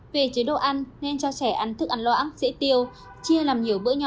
về chế độ ăn nên cho trẻ ăn thức ăn loãng dễ tiêu chia làm nhiều bữa nhau